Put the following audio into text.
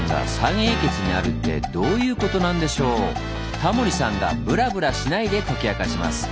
タモリさんがブラブラしないで解き明かします。